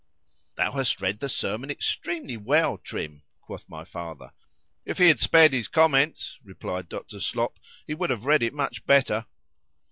_ Thou hast read the sermon extremely well, Trim, quoth my father.—If he had spared his comments, replied Dr. Slop,——he would have read it much better.